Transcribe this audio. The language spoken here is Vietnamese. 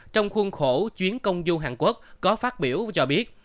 trong khuôn khổ chuyến công du hàn quốc có phát biểu cho biết